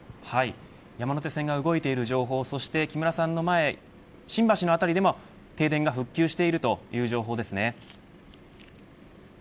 山手線が動いている情報そして新橋の辺りでも停電が復旧しているという情報ですね。